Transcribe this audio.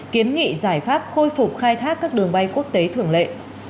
kiến nghị giải pháp khôi phục khai thác các đường bay quốc tế thường lệ